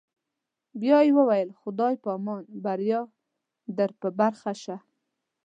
بیا یې وویل: خدای په امان، بریا در په برخه شه.